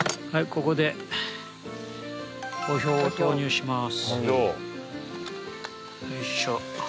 ここでオヒョウを投入します